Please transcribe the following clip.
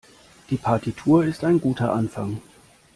Die Partitur ist ein guter Anfang.